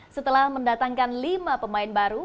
setelah mendatangkan lima pemain baru